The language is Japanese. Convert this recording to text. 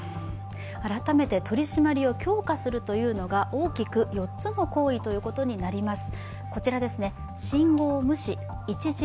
改めて取り締まりを強化するというのが大きく４つの行為ということになります。